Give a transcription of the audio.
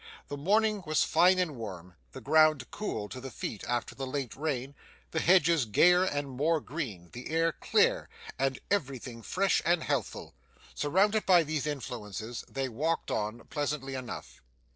The morning was fine and warm, the ground cool to the feet after the late rain, the hedges gayer and more green, the air clear, and everything fresh and healthful. Surrounded by these influences, they walked on pleasantly enough.